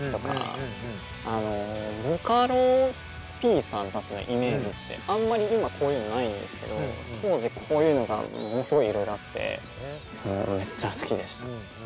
あのボカロＰさんたちのイメージってあんまり今こういうのないんですけど当時こういうのがものすごいいろいろあってめっちゃ好きでしたね。